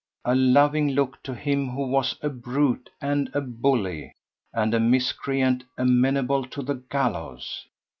A loving look to him who was a brute and a bully and a miscreant amenable to the gallows!